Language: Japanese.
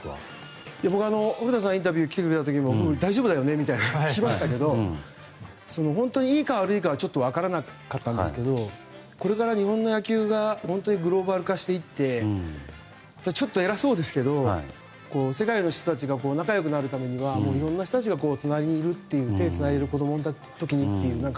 僕は古田さんがインタビューに来てくれた時も大丈夫だよね？って聞きましたが本当にいいか悪いかは分からなかったんですがこれから日本の野球がグローバル化していってちょっと偉そうですけども世界の人たちが仲良くなるためにはいろんな人たちが隣にいて手をつないでいる子供の時にみたいな